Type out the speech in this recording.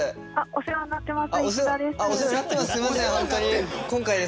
お世話になってんの？